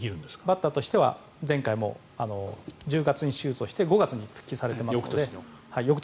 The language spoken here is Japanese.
バッターとしては前回も１０月に手術をして翌年の５月に復帰されていますので。